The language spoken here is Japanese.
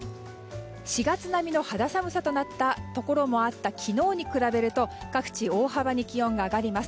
４月並みの肌寒さとなったところもあった昨日に比べると各地、大幅に気温が上がります。